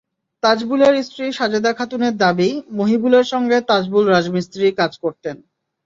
তাজবুলের স্ত্রী সাজেদা খাতুনের দাবি, মহিবুলের সঙ্গে তাজবুল রাজমিস্ত্রির কাজ করতেন।